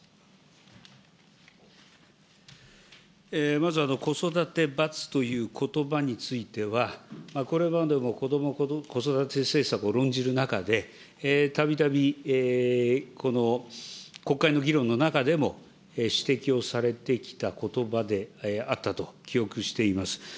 まず、子育て罰ということばについては、これまでもこども・子育て政策を論じる中で、たびたびこの国会の議論の中でも指摘をされてきたことばであったと記憶しています。